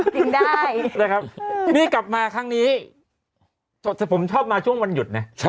จริงได้ได้ครับนี่กลับมาครั้งนี้ผมชอบมาช่วงวันหยุดเนี้ยใช่